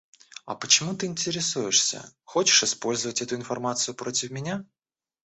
А почему ты интересуешься? Хочешь использовать эту информацию против меня?